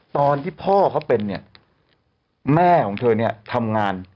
ตอนที่พ่อเขาเป็นเนี่ยแม่ของเธอเนี่ยทำงาน